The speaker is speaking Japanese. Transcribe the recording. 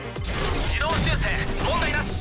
自動修正問題なし。